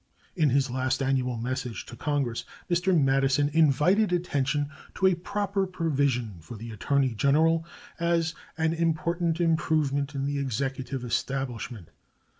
In his last annual message to Congress Mr. Madison invited attention to a proper provision for the Attorney General as "an important improvement in the executive establishment."